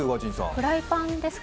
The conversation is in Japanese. フライパンですか？